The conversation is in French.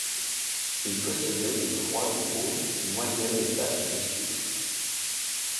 Ils possédaient des droits de haute, moyenne et basse justice.